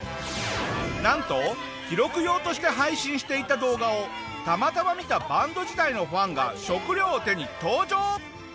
なんと記録用として配信していた動画をたまたま見たバンド時代のファンが食料を手に登場！